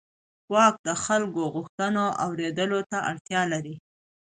واک د خلکو د غوښتنو اورېدلو ته اړتیا لري.